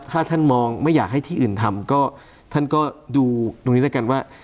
ถ้าท่านมองไม่อยากให้ที่อื่นทำก็ท่านก็ดูตรงนี้แล้วกันว่า